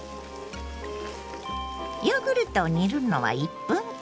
ヨーグルトを煮るのは１分間。